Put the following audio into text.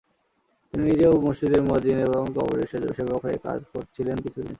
তিনি নিজেও মসজিদের মুয়াজ্জিন এবং কবরের সেবক হয়ে কাজ করেছিলেন কিছুদিন।